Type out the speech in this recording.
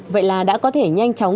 vậy là đã có thể nhanh chóng